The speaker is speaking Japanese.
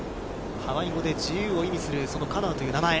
ハワイ語で自由を意味する、そのカノアという名前。